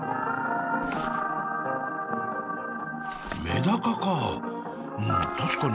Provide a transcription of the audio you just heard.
メダカか。